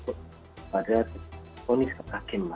keputusan yang diberikan oleh hakim